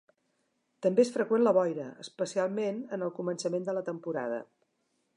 També és freqüent la boira, especialment en el començament de la temporada.